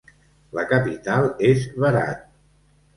La capital és Berat.